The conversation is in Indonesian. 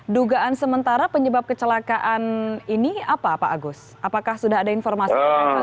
dugaan sementara penyebab kecelakaan ini apa pak agus apakah sudah ada informasi